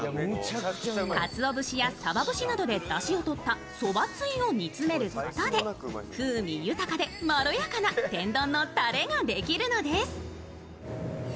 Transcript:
かつお節やさば節などでだしをとったそばつゆを煮詰めることで風味豊かでまろやかな天丼のタレができるのです。